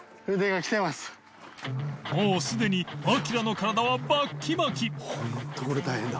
磴發すでにアキラの体はバッキバキ榲筿海大変だ。